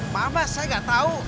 maaf mas saya enggak tahu